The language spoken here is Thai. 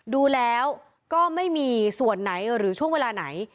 ดูแล้วก็ไม่มีส่วนไหนหรือช่วงเวลาไหน